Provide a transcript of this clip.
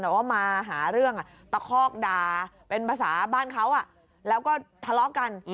แต่ว่ามาหาเรื่องตะคอกด่าเป็นภาษาบ้านเขาแล้วก็ทะเลาะกัน